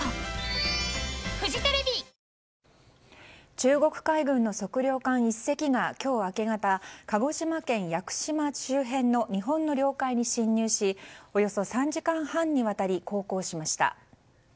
中国海軍の測量艦１隻が今日明け方鹿児島県屋久島周辺の日本の領海に侵入しおよそ３時間半にわたり航行しました。